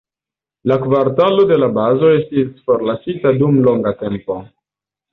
La kvartalo de la bazo estis forlasita dum longa tempo.